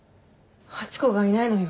ハチ子がいないのよ。